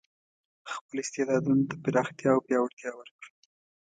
خپل استعدادونو ته پراختیا او پیاوړتیا ورکړو.